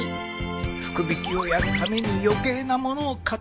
福引をやるために余計な物を買ってしまった